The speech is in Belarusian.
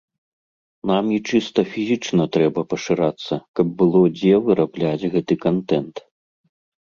Нам і чыста фізічна трэба пашырацца, каб было дзе вырабляць гэты кантэнт.